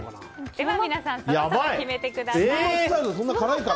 では皆さんそろそろ決めてください。